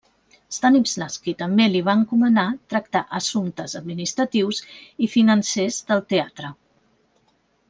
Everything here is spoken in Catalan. Stanislavski també li va encomanar tractar assumptes administratius i financers del teatre.